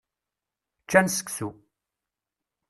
Ččan seksu.